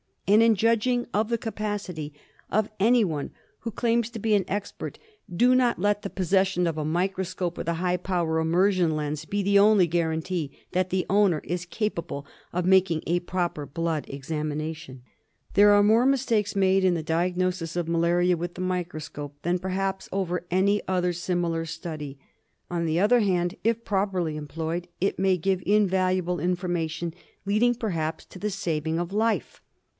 And in judging of the capacity of anyone who claims to be an expert do not let the possession of a microscope with a L l6^ DIAGNOSIS OF MALARIA. high power immersion lens be the only guarantee that the owner is capable of making a proper blood examina tion. There are more mistakes made in the diagnosis of malaria with the microscope than perhaps over any other similar study; on the other hand, if properly' employed, it may give invaluable information leading perhaps to the saving of life.